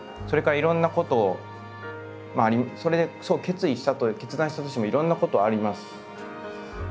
それからいろんなことをそれでそう決意したと決断したとしてもいろんなことあります。